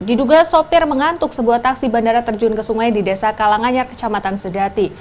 diduga sopir mengantuk sebuah taksi bandara terjun ke sungai di desa kalangannyar kecamatan sedati